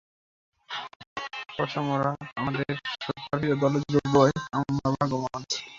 পসামরা আমাদের সুপারহিরো দলে যোগ দেয়ায় আমরা ভাগ্যবান।